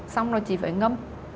xong rồi chị phải ngâm